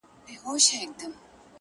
زما خبري خدايه بيرته راکه -